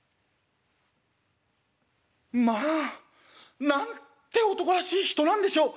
「『まあなんて男らしい人なんでしょう。